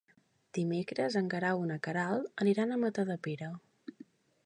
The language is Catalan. Dimecres en Guerau i na Queralt aniran a Matadepera.